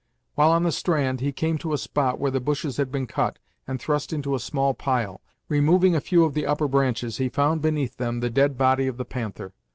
While on the strand, he came to a spot where the bushes had been cut, and thrust into a small pile. Removing a few of the upper branches, he found beneath them the dead body of the Panther.